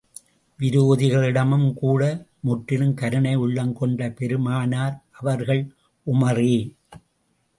விரோதிகளிடமும் கூட முற்றிலும் கருணை உள்ளம் கொண்ட பெருமானார் அவர்கள் உமறே!